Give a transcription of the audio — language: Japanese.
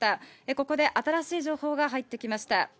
ここで新しい情報が入ってきました。